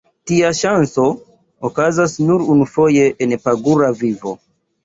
Tia ŝanco okazas nur unufoje en pagura vivo.